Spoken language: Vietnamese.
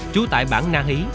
chú tại bảng na hí